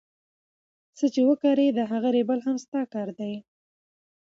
څه چي وکرې د هغه رېبل هم ستا کار دئ.